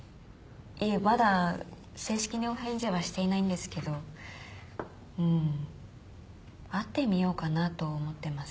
いえまだ正式にお返事はしていないんですけどうん会ってみようかなと思ってます。